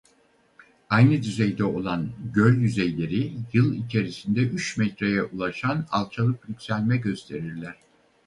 Aynı düzeyde olan göl yüzeyleri yıl içerisinde üç metreye ulaşan alçalıp yükselme gösterirler.